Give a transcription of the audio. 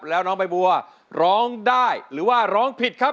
แล้วน้องใบบัวร้องได้หรือว่าร้องผิดครับ